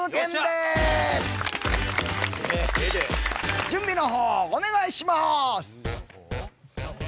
えっ？準備の方お願いします。